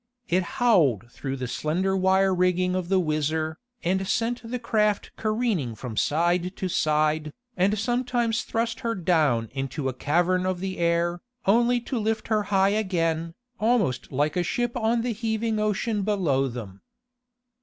It howled through the slender wire rigging of the WHIZZER, and sent the craft careening from side to side, and sometimes thrust her down into a cavern of the air, only to lift her high again, almost like a ship on the heaving ocean below them.